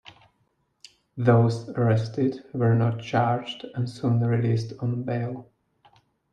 Those arrested were not charged and soon released on bail.